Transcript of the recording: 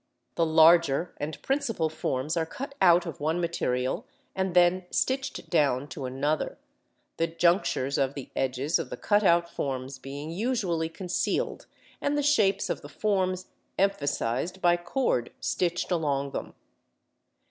The larger and principal forms are cut out of one material and then stitched down to another the junctures of the edges of the cut out forms being usually concealed and the shapes of the forms emphasised by cord stitched along them.